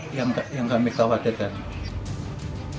itu yang sudah terjadi dan itu yang kami khawatirkan